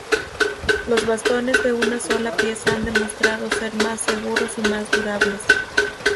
Los bastones de una sola pieza han demostrado ser más seguros y más durables.